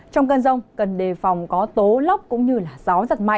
trong cơn rông cần đề phòng có tố lấp cũng như gió